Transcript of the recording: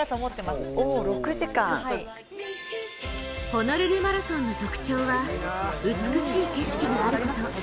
ホノルルマラソンの特徴は美しい景色があること。